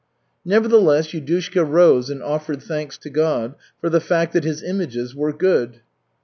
Nevertheless, Yudushka rose and offered thanks to God for the fact that his images were "good."